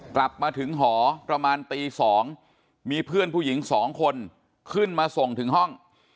กลับมาถึงหอประมาณตี๒มีเพื่อนผู้หญิง๒คนขึ้นมาส่งถึงห้อง